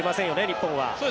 日本は。